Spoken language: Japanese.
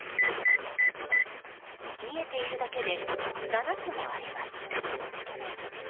見えているだけで７つもあります。